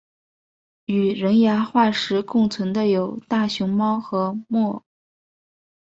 与人牙化石共存的有大熊猫和貘。